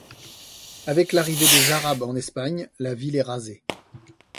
Avec l'arrivée des Arabes en Espagne, la ville est rasée.